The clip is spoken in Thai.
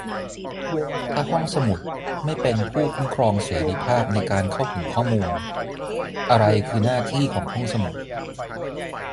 ถ้าห้องสมุดไม่เป็นผู้คุ้มครองเสรีภาพในการเข้าถึงข้อมูล อะไรคือหน้าที่ของห้องสมุด ?